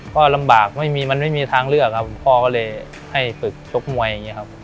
ก็ลำบากไม่มีมันไม่มีทางเลือกครับพ่อก็เลยให้ฝึกชกมวยอย่างนี้ครับ